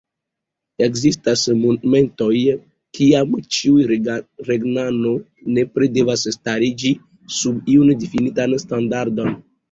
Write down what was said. Ekzistas momentoj, kiam ĉiu regnano nepre devas stariĝi sub iun difinitan standardon.